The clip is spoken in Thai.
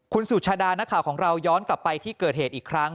คุณสุชาดานักข่าวของเราย้อนกลับไปที่เกิดเหตุอีกครั้ง